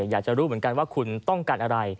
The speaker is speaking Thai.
อยากจะรู้เหมือนกันว่าคุณต้องการอะไร